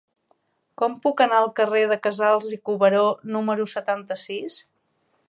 Com puc anar al carrer de Casals i Cuberó número setanta-sis?